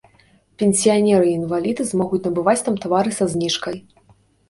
Пенсіянеры і інваліды змогуць набываць там тавары са зніжкай.